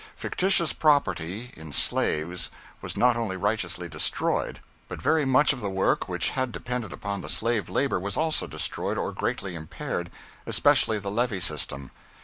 Fictitious property in slaves was not only righteously destroyed, but very much of the work which had depended upon the slave labor was also destroyed or greatly impaired, especially the levee system.